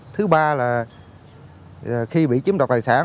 thứ ba là khi bị chiếm đọc tài sản